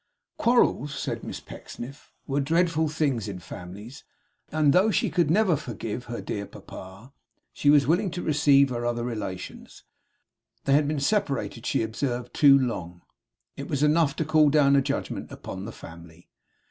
Quarrels, Miss Pecksniff said, were dreadful things in families; and though she never could forgive her dear papa, she was willing to receive her other relations. They had been separated, she observed, too long. It was enough to call down a judgment upon the family.